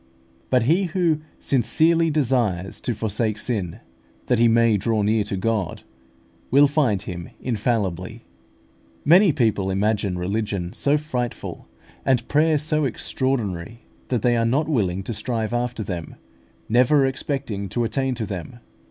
But he who sincerely desires to forsake sin, that he may draw near to God, will find Him infallibly. Many people imagine religion so frightful, and prayer so extraordinary, that they are not willing to strive after them, never expecting to attain to them.